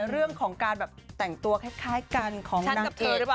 เรื่องของการแบบแต่งตัวคล้ายกันของนางเอก